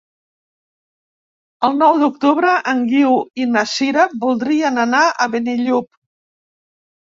El nou d'octubre en Guiu i na Sira voldrien anar a Benillup.